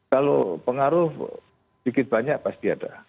kalau pengaruh sedikit banyak pasti ada